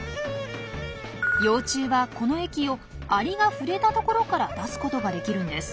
幼虫はこの液をアリが触れた所から出すことができるんです。